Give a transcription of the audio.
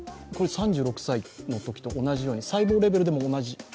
３６歳のときと同じように、細胞レベルでも同じ？